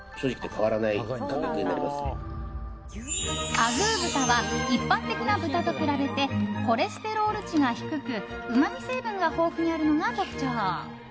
あぐー豚は一般的な豚と比べてコレステロール値が低くうまみ成分が豊富にあるのが特徴。